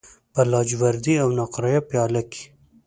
په لاجوردی او نقره یې پیاله کې